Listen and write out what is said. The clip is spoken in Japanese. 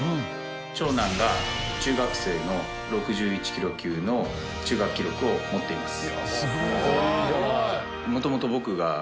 長男が中学生の６１キロ級の中学記録を持っています。